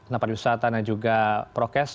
tempat wisata dan juga prokes